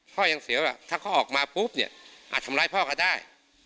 พ่อยังเสียว่าถ้าเขาออกมาปุ๊บเนี่ยอาจทำร้ายพ่อก็ได้